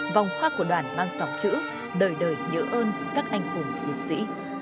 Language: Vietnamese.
vòng hoa của đoàn mang dòng chữ đời đời nhớ ơn các anh hùng liệt sĩ